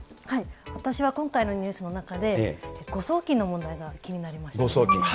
私は今回のニュースの中で、誤送金の問題が気になりましたね。